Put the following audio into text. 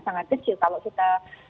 sangat kecil kalau kita